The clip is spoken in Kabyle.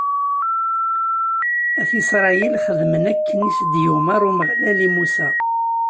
At Isṛayil xedmen akken i s-d-yumeṛ Umeɣlal i Musa.